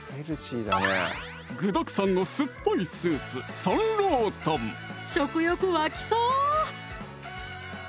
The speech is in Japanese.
具だくさんの酸っぱいスープ食欲湧きそう！